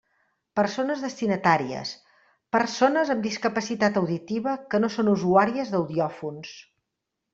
Persones destinatàries: persones amb discapacitat auditiva que no són usuàries d'audiòfons.